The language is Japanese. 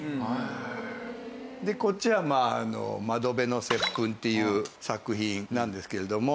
こっちはまあ『窓辺の接吻』っていう作品なんですけれども。